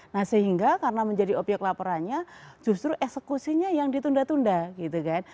nah sehingga karena menjadi obyek laporannya justru eksekusinya yang ditunda tunda gitu kan